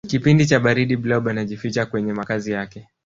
kipindi cha baridi blob anajificha kwenye makazi yake